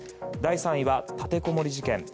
第３位は立てこもり事件。